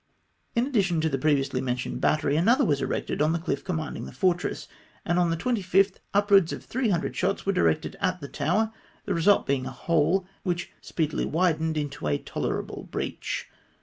In addition to the previously mentioned battery, another was erected on the cliiF commanding the for tress ; and on the 25th, upwards of 300 shots were directed at the tower, the result being a hole, which speedily widened into a tolerable breach.